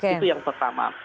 itu yang pertama